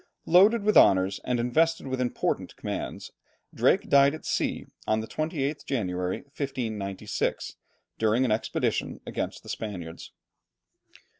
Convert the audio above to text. Loaded with honours, and invested with important commands, Drake died at sea on the 28th January, 1596, during an expedition against the Spaniards.